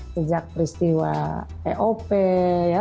sejak peristiwa eop ya